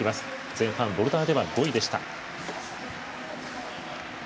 前半、ボルダーでは５位でした。